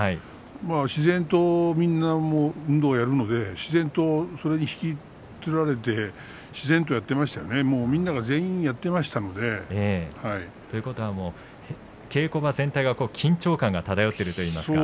自然とみんな運動をやるので自然とそれに引きつられて自然とやっていましたよね。ということは稽古場全体が緊張感が漂っているといいますか。